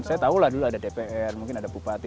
saya tahulah dulu ada dpr mungkin ada bupati